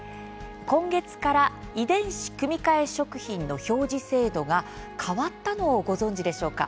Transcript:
今月から、遺伝子組み換え食品の表示制度が変わったのをご存じでしょうか。